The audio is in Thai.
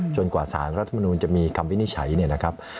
กว่าสารรัฐมนุนจะมีคำวินิจฉัยเนี่ยนะครับ